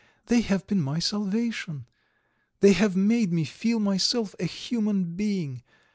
They have been my salvation; they have made me feel myself a human being.